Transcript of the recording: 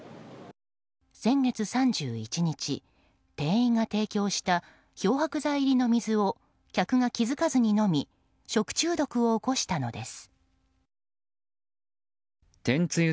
先月３１日店員が提供した漂白剤入りの水を客が気付かずに飲み食中毒を起こしたのです。